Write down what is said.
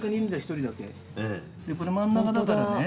これ真ん中だからね。